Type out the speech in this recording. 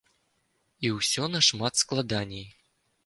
І ўсё нашмат складаней.